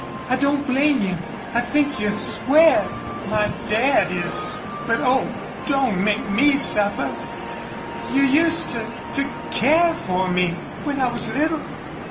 I don't blame you. I think you're square. My dad is.... But, oh, don't make ME suffer! You used to to care for me, when I was little."